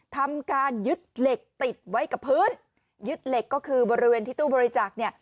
ทำการยึดเหล็กติดไว้กับพื้นยึดเหล็กก็คือบริเวณที่ตู้บริจาคเนี่ย